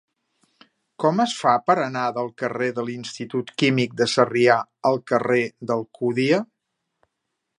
Com es fa per anar del carrer de l'Institut Químic de Sarrià al carrer d'Alcúdia?